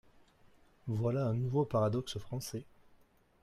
Voilà un nouveau paradoxe français.